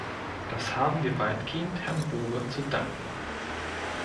Das haben wir weitgehend Herrn Bowe zu danken.